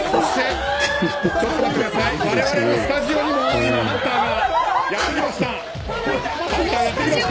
我々のスタジオにもハンターがやってきました。